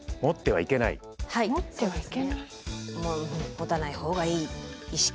もたない方がいい意識。